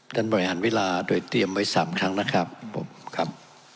ท่านหม่อยหันเวลาโดยเตรียมไว้๓ครั้งนะครับ